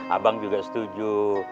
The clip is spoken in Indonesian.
abang juga setuju